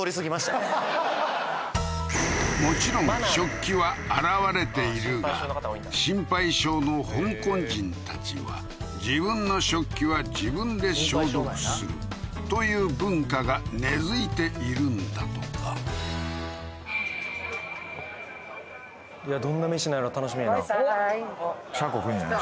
もちろん食器は洗われているが心配性の香港人たちは自分の食器は自分で消毒するという文化が根づいているんだとかどんな飯なんやろ楽しみやなシャコ来るんじゃない？